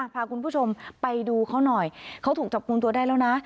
พาคุณผู้ชมไปดูเขาหน่อยเขาถูกจับกลุ่มตัวได้แล้วนะ